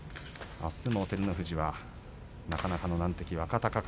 あすも照ノ富士はなかなかの難敵、若隆景。